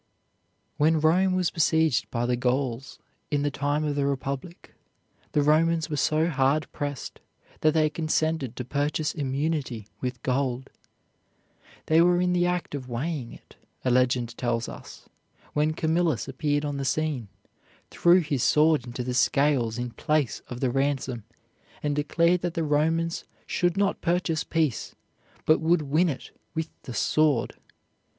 When Rome was besieged by the Gauls in the time of the Republic, the Romans were so hard pressed that they consented to purchase immunity with gold. They were in the act of weighing it, a legend tells us, when Camillus appeared on the scene, threw his sword into the scales in place of the ransom, and declared that the Romans should not purchase peace, but would win it with the sword.